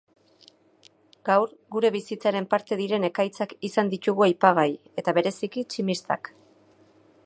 Gaur, gure bizitzaren parte diren ekaitzak izan ditugu aipagai eta bereziki tximistak.